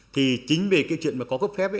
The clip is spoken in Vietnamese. thì chính về cái chuyện mà có cấp phép